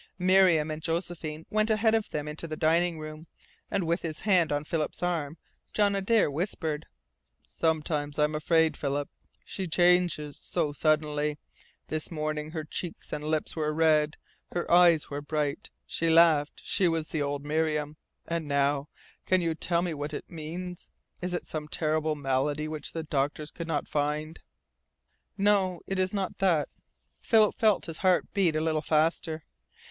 Miriam and Josephine went ahead of them to the dining room, and with his hand on Philip's arm John Adare whispered: "Sometimes I am afraid, Philip. She changes so suddenly. This morning her cheeks and lips were red, her eyes were bright, she laughed she was the old Miriam. And now! Can you tell me what it means? Is it some terrible malady which the doctors could not find?" "No, it is not that," Philip felt his heart beat a little faster.